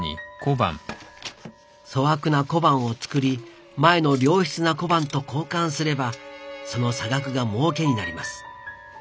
粗悪な小判を造り前の良質な小判と交換すればその差額が儲けになります。